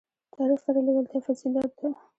تاریخ سره لېوالتیا فضیلت ده.